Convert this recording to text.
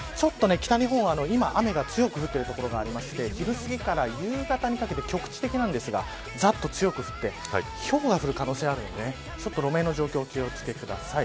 北日本は今、雨が強く降っている所があって昼すぎから夕方にかけて局地的なんですがざっと強く降ってひょうが降る可能性があるので路面の状況にお気を付けください。